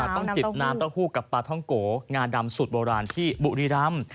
ต้องจิบน้ำเต้าหู้กับปลาท้องโก๋งานดำสุดโบราณที่บุรีรัม